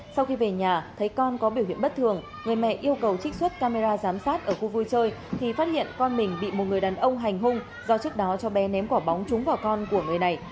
sau khi về nhà thấy con có biểu hiện bất thường người mẹ yêu cầu trích xuất camera giám sát ở khu vui chơi thì phát hiện con mình bị một người đàn ông hành hung do trước đó cho bé ném quả bóng trúng vào con của người này